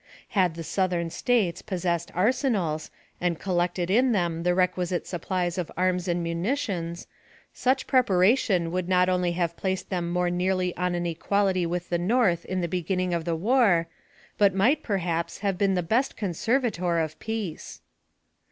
Had the Southern States possessed arsenals, and collected in them the requisite supplies of arms and munitions, such preparation would not only have placed them more nearly on an equality with the North in the beginning of the war, but might, perhaps, have been the best conservator of peace.